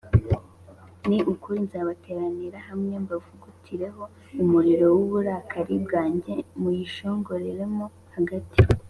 Ni ukuri nzabateraniriza hamwe, mbavugutireho umuriro w’uburakari bwanjye muyishongeremo hagati